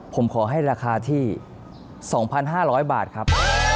ผมขอให้ราคาที่๒๕๐๐บาทครับ